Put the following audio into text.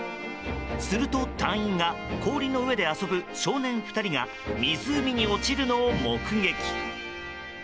すると、隊員が氷の上で遊ぶ少年２人が湖に落ちるのを目撃。